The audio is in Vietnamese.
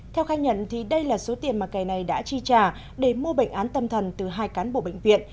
theo khai nhận đây là số tiền mà kẻ này đã chi trả để mua bệnh án tâm thần từ hai cán bộ bệnh viện